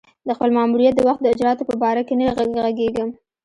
د خپل ماموریت د وخت د اجرآتو په باره کې نه ږغېږم.